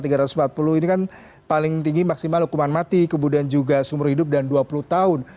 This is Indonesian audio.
ini kan paling tinggi maksimal hukuman mati kemudian juga sumur hidup dan dua puluh tahun